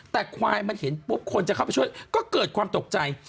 แต่ควายมันเห็นปุ๊บคนจะเข้าไปช่วยก็เกิดความตกใจ